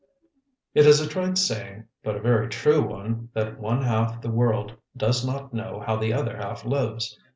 It is a trite saying, but a very true one, that one half the world does not know how the other half lives.